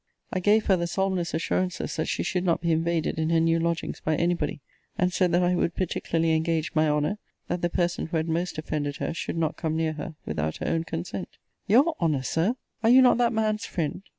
I gave her the solemnest assurances that she should not be invaded in her new lodgings by any body; and said that I would particularly engage my honour, that the person who had most offended her should not come near her, without her own consent. Your honour, Sir! Are you not that man's friend!